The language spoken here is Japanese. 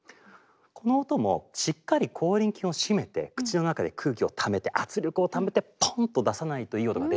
この音もしっかり口輪筋を締めて口の中で空気をためて圧力をためてポンと出さないといい音が出ないんですよね。